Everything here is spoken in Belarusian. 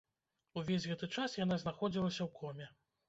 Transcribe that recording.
Увесь гэты час яна знаходзілася ў коме.